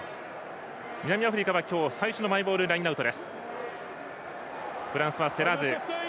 南アフリカは今日、最初のマイボールラインアウト。